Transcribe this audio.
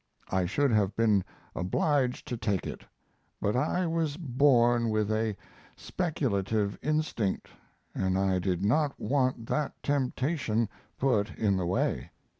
I should have been obliged to take it, but I was born with a speculative instinct & I did not want that temptation put in my way.